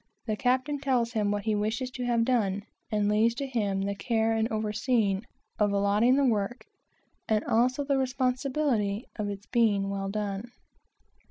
The captain tells him what he wishes to have done, and leaves to him the care of overseeing, of allotting the work, and also the responsibility of its being well done.